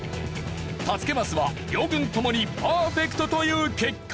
助けマスは両軍ともにパーフェクトという結果に。